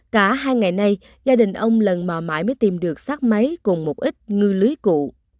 cả hai ngày nay gia đình ông lần mò mãi mới tìm được sát máy cùng một ít ngư lưới cụ